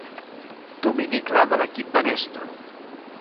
Domini clar de l'equip Banesto.